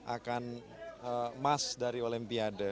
akan emas dari olimpiade